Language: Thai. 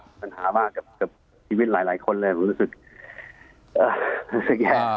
ปัญหามากกับชีวิตหลายคนเลยผมรู้สึกแย่